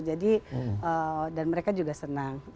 jadi dan mereka juga senang